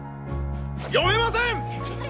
読めません！